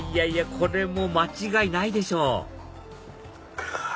これも間違いないでしょカァ！